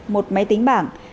một máy tính bảng